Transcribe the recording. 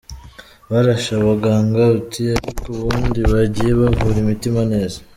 – Barashe abaganga uti “ariko ubundi bagiye bavura imitima neza”